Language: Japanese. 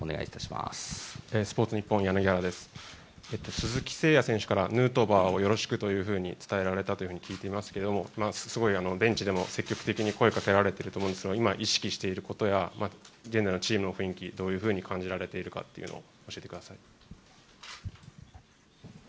鈴木誠也選手からヌートバーをよろしくというふうに伝えられたというふうに聞いていますがすごいベンチでも積極的に声をかけられていると思うんですけど、今、意識していることや現在のチームの雰囲気どういうふうに感じられているか教えてください。